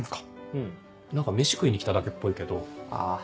うん何かメシ食いに来ただけっぽいけど。あぁ。